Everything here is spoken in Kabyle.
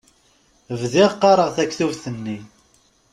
Bdiɣ qqaṛeɣ taktubt-nni.